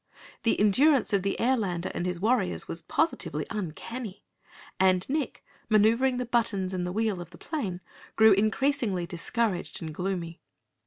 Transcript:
The endurance of the Airlander and his warriors was positively uncanny, and Nick, maneuvering the buttons and wheel of the plane, grew increasingly discouraged and gloomy.